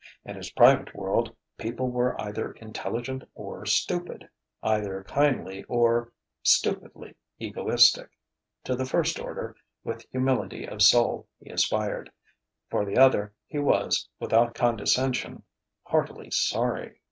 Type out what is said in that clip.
In his private world people were either intelligent or stupid, either kindly or (stupidly) egoistic. To the first order, with humility of soul he aspired; for the other he was, without condescension, heartily sorry....